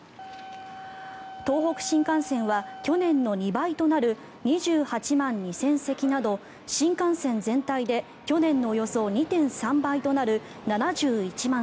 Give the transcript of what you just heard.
東北新幹線は去年の２倍となる２８万２０００席など新幹線全体で去年のおよそ２．３倍となる７１万